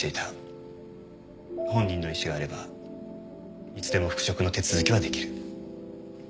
本人の意思があればいつでも復職の手続きはできる。